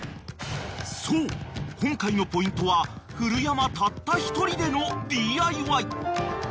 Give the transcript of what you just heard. ［そう今回のポイントは古山たった１人でのＤＩＹ］